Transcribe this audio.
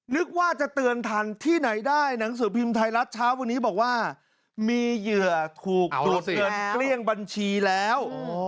นึกว่าจะเตือนทันที่ไหนได้หนังสือพิมพ์ไทยรัฐเช้าวันนี้บอกว่ามีเหยื่อถูกตรวจเงินเกลี้ยงบัญชีแล้ว